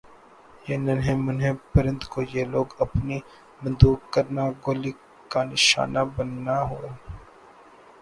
یِہ ننھے مننھے پرند کو یِہ لوگ اپنی بندوق کرنا گولی کا نشانہ بننا ہونا